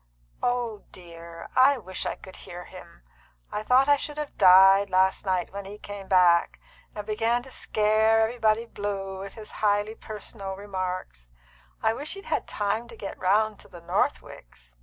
"Oh dear, I wish I could hear him! I thought I should have died last night when he came back, and began to scare everybody blue with his highly personal remarks. I wish he'd had time to get round to the Northwicks."